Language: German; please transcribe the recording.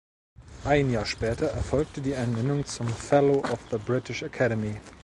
Ein Jahr später erfolgte die Ernennung zum Fellow of the British Academy.